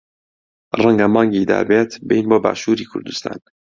ڕەنگە مانگی دابێت بێین بۆ باشووری کوردستان.